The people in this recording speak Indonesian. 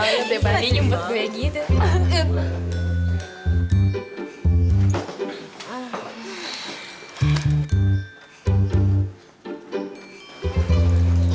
baunya tepatnya nyempet gue gitu